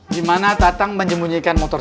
bisa dikategorikan makar